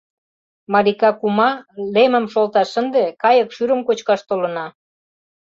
Малика кума, лемым шолташ шынде, кайык шӱрым кочкаш толына.